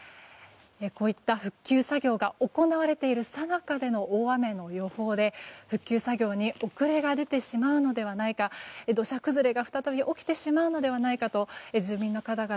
こういった復旧作業が行われているさなかでの大雨の予報で復旧作業に遅れが出てしまうのではないか土砂崩れが再び起きてしまうのではないかと住民の方々